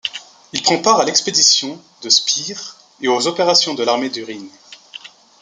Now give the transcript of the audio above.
Il prend part à l’expédition de Spire et aux opérations de l’armée du Rhin.